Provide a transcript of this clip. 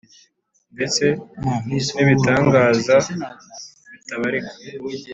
ndetse n’ibitangaza bitabarika